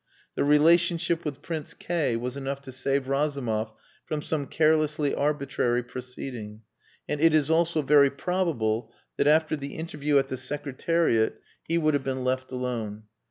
The relationship with Prince K was enough to save Razumov from some carelessly arbitrary proceeding, and it is also very probable that after the interview at the Secretariat he would have been left alone.